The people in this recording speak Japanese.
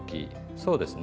そうですね。